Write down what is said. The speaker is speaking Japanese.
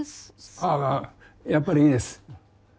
ああやっぱりいいです。